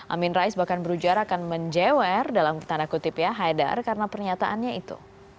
amin rais bahkan berujar akan menjewer dalam tanda kutip ya haidar karena pernyataannya itu